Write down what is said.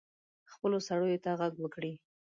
خپلو سړیو ته ږغ وکړي.